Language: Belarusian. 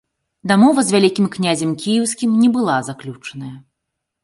Дамова з вялікім князем кіеўскім не была заключаная.